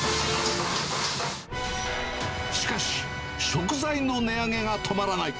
しかし、食材の値上げが止まらない。